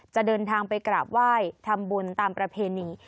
จะเดินทางไปกราบไหว้ทำบุญตามประเพณี